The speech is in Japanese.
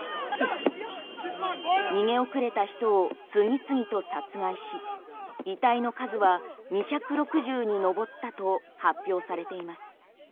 逃げ遅れた人を次々と殺害し遺体の数は２６０に上ったと発表されています。